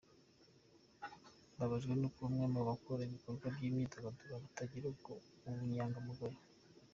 Mbabajwe nuko bamwe mu bakora ibikorwa by’imyidagaduro batagira ubunyamwuga.